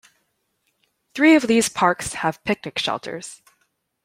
Three of these parks have picnic shelters.